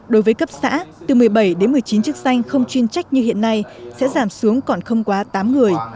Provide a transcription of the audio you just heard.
đối với cấp xã từ một mươi bảy đến một mươi chín chức danh không chuyên trách như hiện nay sẽ giảm xuống còn không quá tám người